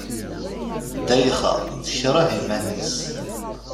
Ddayxa, tekreh iman-is.